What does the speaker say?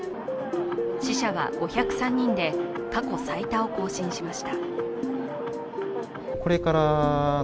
死者は５０３人で、過去最多を更新しました。